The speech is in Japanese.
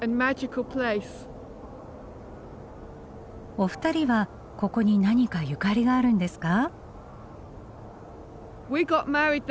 お二人はここに何かゆかりがあるんですか？